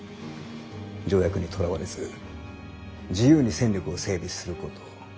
条約にとらわれず自由に戦力を整備すること。